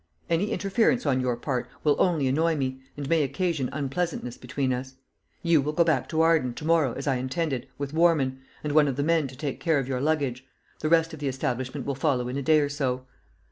Any interference on your part will only annoy me, and may occasion unpleasantness between us. You will go back to Arden, to morrow, as I intended, with Warman, and one of the men to take care of your luggage. The rest of the establishment will follow in a day or so."